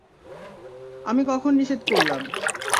আমি কখন নিষেধ করলাম?